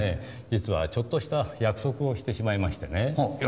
実はちょっとした約束をしてしまいましてね。